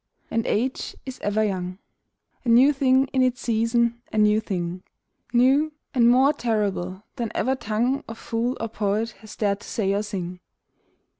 . and Age is ever young — A new thing in its season, a new thing; New, and more terrible than ever tongue Lee Wilson Dodd Of fool or poet has dared to say or sing!